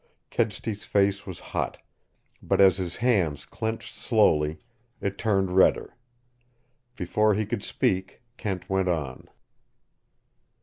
Kedsty's face was hot, but as his hands clenched slowly, it turned redder. Before he could speak, Kent went on.